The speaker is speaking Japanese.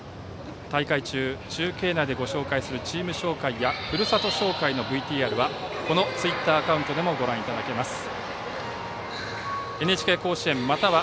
大会中、中継内でご紹介するチーム紹介やふるさと紹介のＶＴＲはこのツイッターアカウントでもご覧いただけます。